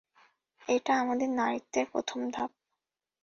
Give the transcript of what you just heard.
এটা আমাদের নারীত্বের প্রথম ধাপ।